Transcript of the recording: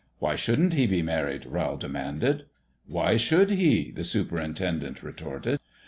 "Why shouldn't he be married?" Rowl de manded. "Why should he?" the superintendent re torted.